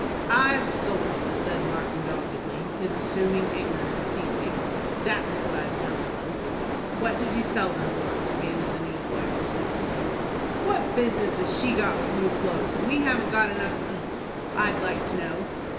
"I've sold 'em," said Martin, doggedly, his assumed ignorance ceasing. "That's what I've done with 'em." "What did you sell them for?" demanded the newsboy, persistently. "What business has she got with new clothes, when we haven't got enough to eat, I'd like to know?"